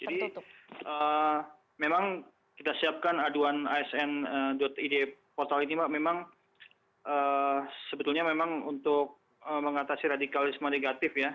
jadi memang kita siapkan aduan asn id portal ini mbak memang sebetulnya memang untuk mengatasi radikalisme negatif ya